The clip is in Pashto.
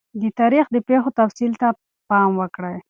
د تاریخ د پیښو تفصیل ته پام وکړئ.